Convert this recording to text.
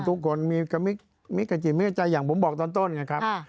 ทุกคนมีกระจิดไม่เข้าใจอย่างผมบอกตอนต้นนะครับ